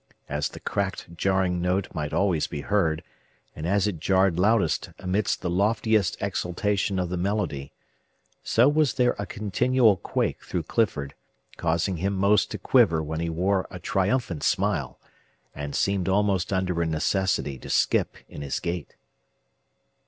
As the cracked jarring note might always be heard, and as it jarred loudest amidst the loftiest exultation of the melody, so was there a continual quake through Clifford, causing him most to quiver while he wore a triumphant smile, and seemed almost under a necessity to skip in his gait.